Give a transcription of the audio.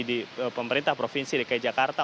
di pemerintah provinsi dki jakarta